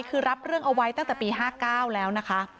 คือรับเรื่องเอาไว้ตั้งแต่ปี๕๙แล้วนะคะ